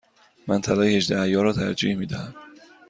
من طلای هجده عیار را ترجیح می دهم.